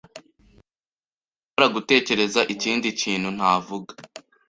Sinshobora gutekereza ikindi kintu navuga.